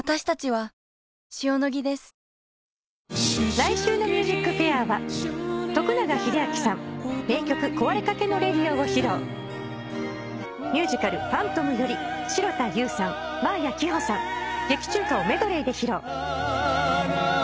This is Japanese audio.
来週の『ＭＵＳＩＣＦＡＩＲ』は永明さん名曲『壊れかけのＲａｄミュージカル『ファントム』より城田優さん真彩希帆さん劇中歌をメドレーで披露。